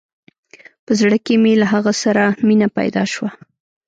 په زړه کښې مې له هغه سره مينه پيدا سوه.